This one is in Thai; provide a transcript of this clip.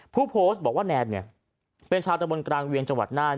ผู้โพสต์บอกว่าแนนเนี่ยเป็นชาวตะบนกลางเวียงจังหวัดน่าน